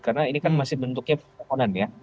karena ini kan masih bentuknya permohonan ya